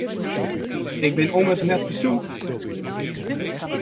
Ik bin ommers net fersûpt.